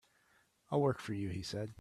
"I'll work for you," he said.